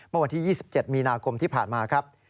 เมื่อวันที่๒๗มีนาคมที่ผ่านมาครับ